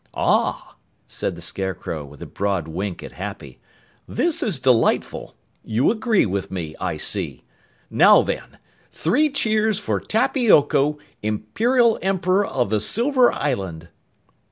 "Ah!" said the Scarecrow with a broad wink at Happy. "This is delightful. You agree with me, I see. Now then, three cheers for Tappy Oko, Imperial Emperor of the Silver Island."